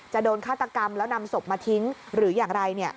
โดนฆาตกรรมแล้วนำศพมาทิ้งหรืออย่างไร